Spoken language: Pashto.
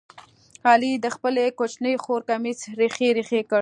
علي د خپلې کوچنۍ خور کمیس ریخې ریخې کړ.